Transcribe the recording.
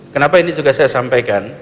kenapa ini juga saya sampaikan